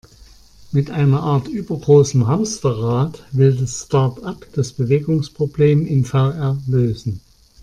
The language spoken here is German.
Mit einer Art übergroßem Hamsterrad, will das Startup das Bewegungsproblem in VR lösen.